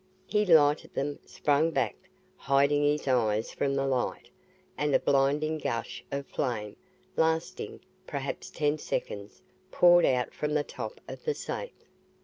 He lighted them, sprang back, hiding his eyes from the light, and a blinding gush of flame, lasting perhaps ten seconds, poured out from the top of the safe.